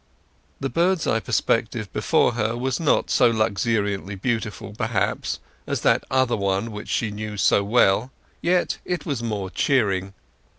The bird's eye perspective before her was not so luxuriantly beautiful, perhaps, as that other one which she knew so well; yet it was more cheering.